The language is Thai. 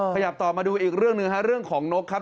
ขยับต่อมาดูอีกเรื่องหนึ่งฮะเรื่องของนกครับ